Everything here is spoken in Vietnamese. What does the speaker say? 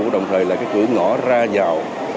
đồng thời là cái cửa ngõ ra vào